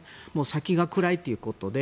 先が暗いということで。